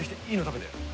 食べて。